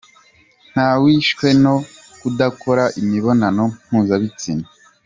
Nta wishweno kudakora imibonano mpuzabitsina